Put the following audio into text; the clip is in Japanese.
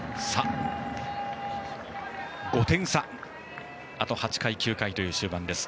５点差、あと８回、９回という終盤です。